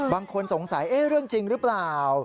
บางคนสงสัยเรื่องจริงหรือเปล่า